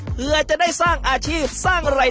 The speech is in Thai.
เพื่อจะได้สร้างอาชีพสร้างอะไร